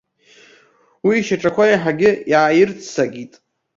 Уи ишьаҿақәа еиҳагьы иааирццакит.